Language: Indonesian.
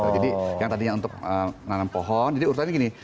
jadi yang tadinya untuk nanam pohon jadi urutan ini gini